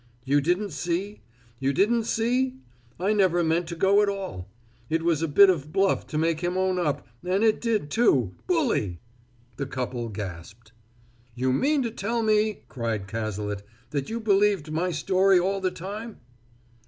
"You didn't see? You didn't see? I never meant to go at all; it was a bit of bluff to make him own up, and it did, too, bully!" The couple gasped. "You mean to tell me," cried Cazalet, "that you believed my story all the time?"